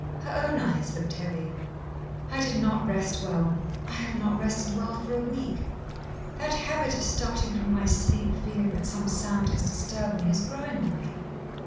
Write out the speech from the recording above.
Her own eyes looked heavy. "I did not rest well. I have not rested well for a week. That habit of starting from my sleep feeling that some sound has disturbed me is growing on me.